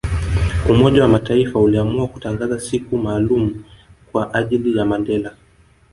Umoja wa mataifa uliamua kutangaza siku maalumu Kwa ajili ya Mandela